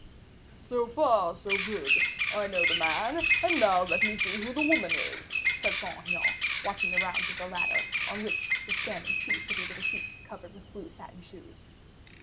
"So far so good; I know the man, and now let me see who the woman is," said Saint Aignan, watching the rounds of the ladder, on which were standing two pretty little feet covered with blue satin shoes.